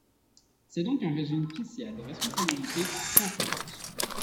C'est donc un régime spécial de responsabilité sans faute.